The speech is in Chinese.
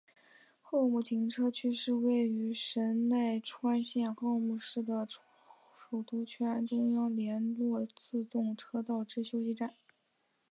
厚木停车区是位于神奈川县厚木市的首都圈中央连络自动车道之休息站。